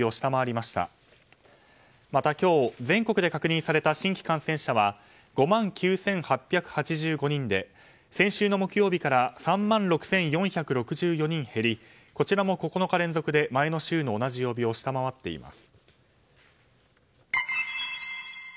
また、今日全国で確認された新規感染者は５万９８８５人で先週の木曜日から３万６４６４人減りこちらも９日連続で前の週の同じ曜日を下回っています。